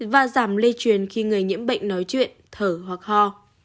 và giảm lây truyền khi người nhiễm bệnh nói chuyện thở hoặc ho